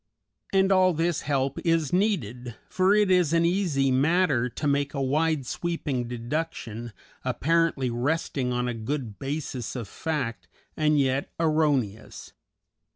And all this help is needed, for it is an easy matter to make a wide sweeping deduction, apparently resting on a good basis of fact, and yet erroneous.